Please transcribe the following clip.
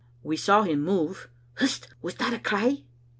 " We saw him move. Hst! Was that a cry?"